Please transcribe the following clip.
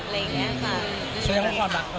ช่วยพวกความรักคนช่วยด้วยครับ